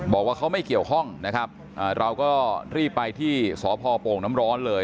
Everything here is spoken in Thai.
บอกว่าเขาไม่เกี่ยวข้องนะครับเราก็รีบไปที่สพโป่งน้ำร้อนเลย